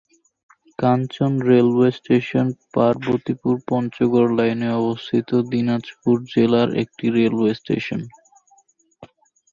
কাঞ্চন railway station Parbatipur Panchagarh লাইনে অবস্থিত দিনাজপুর জেলার একটি রেলওয়ে স্টেশন।